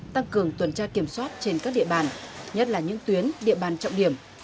tăng cường tuần tra kiểm soát trên các địa bàn nhất là những tuyến địa bàn trọng điểm